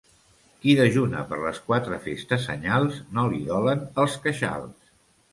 Qui dejuna per les quatre festes anyals no li dolen els queixals.